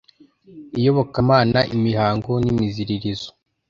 Iyoboka-Mana - Imihango n'Imiziririzo.